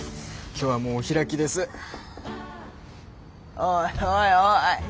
おいおいおい